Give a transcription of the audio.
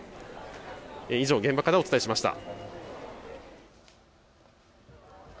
以上、現場からお伝えしました。